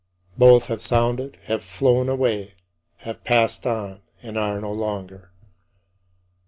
Both have sounded, have flown away, have passed on, and are no longer.